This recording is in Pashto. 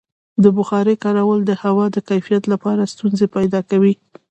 د بخارۍ کارول د هوا د کیفیت لپاره ستونزې پیدا کوي.